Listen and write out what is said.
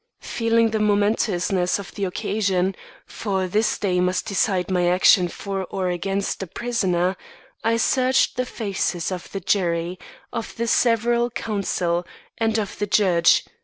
Feeling the momentousness of the occasion for this day must decide my action for or against the prisoner I searched the faces of the jury, of the several counsel, and of the judge.